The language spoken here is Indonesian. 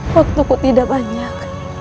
waktuku tidak banyak